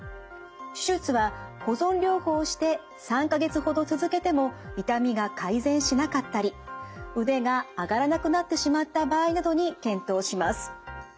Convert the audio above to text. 手術は保存療法をして３か月ほど続けても痛みが改善しなかったり腕が上がらなくなってしまった場合などに検討します。